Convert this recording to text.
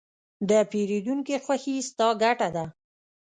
د پیرودونکي خوښي، ستا ګټه ده.